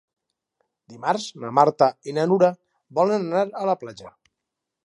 Dimarts na Marta i na Nura volen anar a la platja.